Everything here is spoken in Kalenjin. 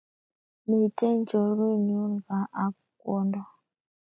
Miten chorwenyun kaa ak kwondo